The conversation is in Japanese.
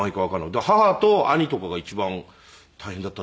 だから母と兄とかが一番大変だったんじゃないですかね。